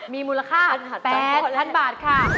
มีมูลค่า๘๐๐๐บาทค่ะ